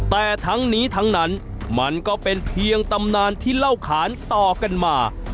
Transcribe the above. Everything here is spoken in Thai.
แต่ทั้งนี้ทั้งนั้นมันก็เป็นเพียงตำนานที่เล่าขานต่อกันมา